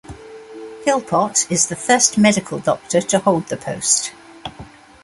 Philpott is the first medical doctor to hold the post.